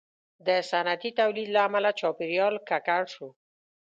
• د صنعتي تولید له امله چاپېریال ککړ شو.